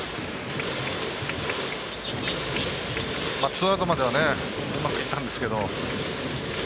ツーアウトまではうまくいったんですけど。